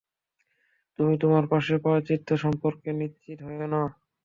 তুমি তোমার পাপের প্রায়শ্চিত্ত সম্পর্কে নিশ্চিন্ত হয়ো না।